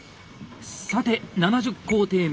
さて７０工程目！